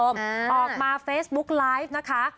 ออกมาเฟซบุ๊กไลฟ์นะคะ